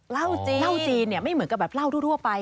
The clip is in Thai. เหล้าจีนเนี่ยไม่เหมือนกับแบบเหล้าทั่วไป